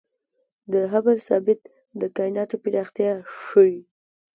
د هبل ثابت د کائناتو پراختیا ښيي.